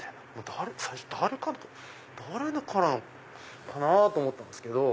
最初誰からかな？と思ったんですけど。